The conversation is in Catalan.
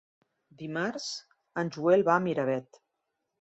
Dimarts en Joel va a Miravet.